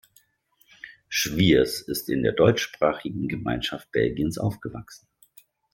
Schwiers ist in der Deutschsprachigen Gemeinschaft Belgiens aufgewachsen.